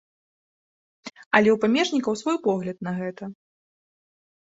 Але ў памежнікаў свой погляд на гэта.